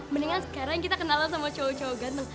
mendingan sekarang kita kenalan sama cowok cowok